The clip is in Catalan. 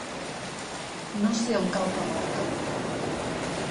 No sé on cau Famorca.